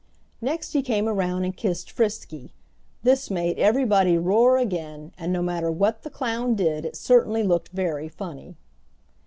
Next he came around and kissed Frisky. This made everybody roar again, and no matter what the clown did it certainly looked very funny.